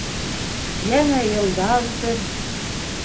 Йәнә йылдар үтер.